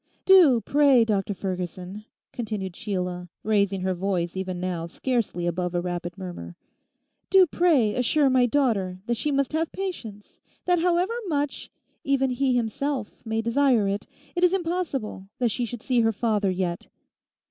Do, pray, Dr Ferguson,' continued Sheila, raising her voice even now scarcely above a rapid murmur—'do pray assure my daughter that she must have patience; that however much even he himself may desire it, it is impossible that she should see her father yet.